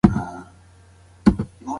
آیا ته پوهېږې چې انټرنیټ څنګه کار کوي؟